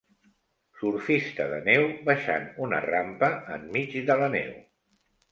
Surfista de neu baixant una rampa enmig de la neu.